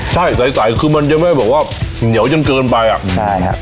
ใช่ใสคือมันยังไม่บอกว่าเหนียวจนเกินไปอ่ะใช่ครับ